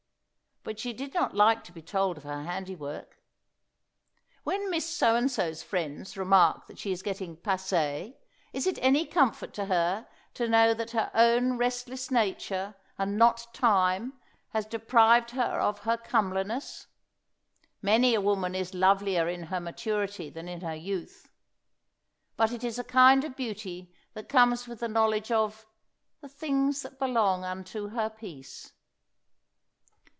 But she did not like to be told of her handiwork. When Miss So and so's friends remark that she is getting passé, is it any comfort to her to know that her own restless nature, and not Time, has deprived her of her comeliness? Many a woman is lovelier in her maturity than in her youth. But it is a kind of beauty that comes with the knowledge of "the things that belong unto her peace."